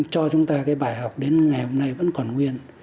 cho chúng ta cái bài học đến ngày hôm nay vẫn còn nguyên